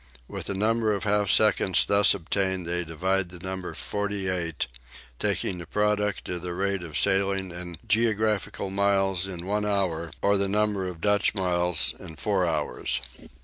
With the number of half seconds thus obtained they divide the number 48, taking the product for the rate of sailing in geographical miles in one hour, or the number of Dutch miles in four hours.